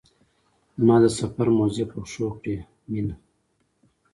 ما د سفر موزې په پښو کړې مینه.